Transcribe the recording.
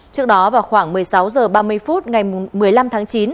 trước đó vào khoảng một mươi sáu h ba mươi phút ngày một mươi năm tháng chín